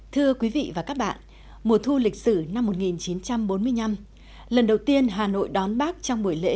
thưa quý vị và các bạn mùa thu lịch sử năm một nghìn chín trăm bốn mươi năm lần đầu tiên hà nội đón bác trong buổi lễ